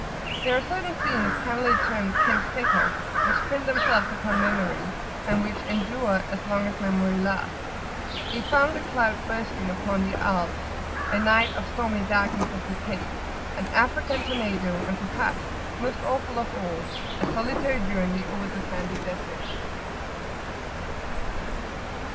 There are certain scenes, cannily termed "Ken speckle," which print themselves upon Memory, and which endure as long as Memory lasts, a thunder cloud bursting upon the Alps, a night of stormy darkness off the Cape, an African tornado, and, perhaps, most awful of all, a solitary journey over the sandy Desert.